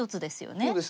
そうですね